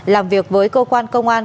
làm việc với cơ quan công an